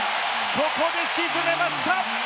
ここで沈めました！